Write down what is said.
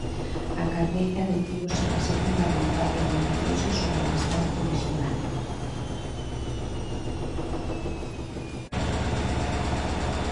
A carreira detívose na segunda volta e reiniciouse sobre a distancia orixinal.